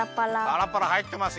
パラパラはいってます。